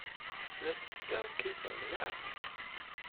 La teskerkiseḍ, naɣ?